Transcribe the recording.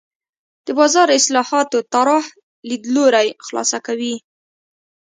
د بازار اصلاحاتو طراح لیدلوری خلاصه کوي.